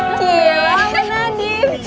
iya sama nadif